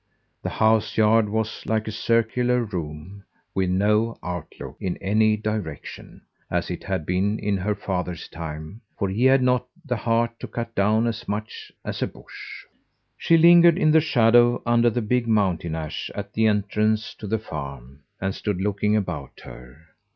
The house yard was like a circular room, with no outlook in any direction, as it had been in her father's time for he had not the heart to cut down as much as a bush. She lingered in the shadow under the big mountain ash at the entrance to the farm, and stood looking about her.